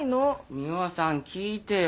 三輪さん聞いてよ。